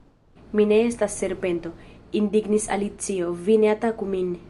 "Mi ne estas serpento," indignis Alicio, "vi ne ataku min!"